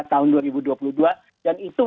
tahun dua ribu dua puluh dua dan itu